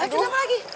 eh kenapa lagi